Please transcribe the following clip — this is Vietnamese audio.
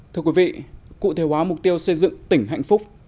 thưa quý vị cụ thể hóa mục tiêu xây dựng tỉnh hạnh phúc